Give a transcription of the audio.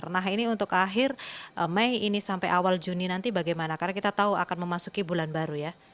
nah ini untuk akhir mei ini sampai awal juni nanti bagaimana karena kita tahu akan memasuki bulan baru ya